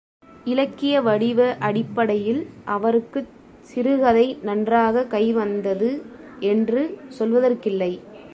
இலக்கிய வடிவ அடிப்படையில் அவருக்குச் சிறுகதை நன்றாக கைவந்தது என்று சொல்வதற்கில்லை.